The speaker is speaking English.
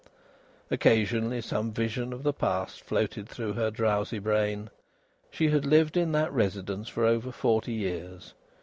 Occasionally some vision of the past floated through her drowsy brain. She had lived in that residence for over forty years.